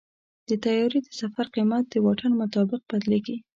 د طیارې د سفر قیمت د واټن مطابق بدلېږي.